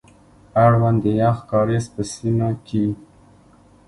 اړوند د يخ کاريز په سيمه کي،